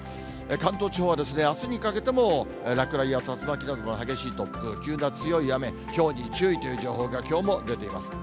関東地方はですね、あすにかけても落雷や竜巻などの激しい突風、急な強い雨、ひょうに注意という情報が、きょうも出ています。